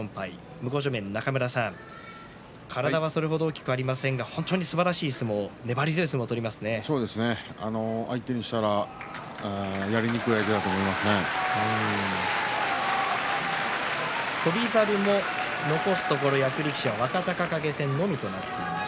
向正面の中村さん、体はそれ程、大きくありませんが本当にすばらしい相撲相手にしたら翔猿も残すところ役力士は若隆景戦のみとなります。